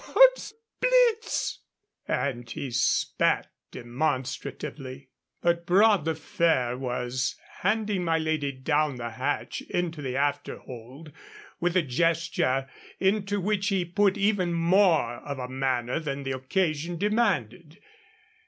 Pots blitz!" And he spat demonstratively. But Bras de Fer was handing my lady down the hatch into the after hold, with a gesture into which he put even more of a manner than the occasion demanded.